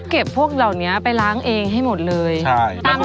เก็บพวกเหล่านี้ไปล้างเองให้หมดเลยตามแล้วหรือเปล่าใช่